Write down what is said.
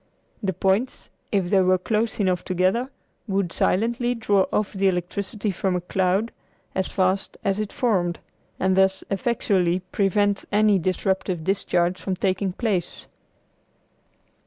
The points if they were close enough together would silently draw off the electricity from a cloud as fast as it formed, and thus effectually prevent any disruptive discharge from taking place.